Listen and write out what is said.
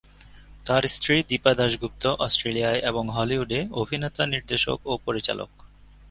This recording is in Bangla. তার স্ত্রী দীপা দাশগুপ্ত অষ্ট্রেলিয়ায় এবং হলিউডে অভিনেতা নির্দেশক ও পরিচালক।